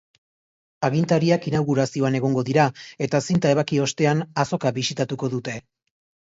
Agintariak inaugurazioan egongo dira eta zinta ebaki ostean, azoka bisitatuko dute.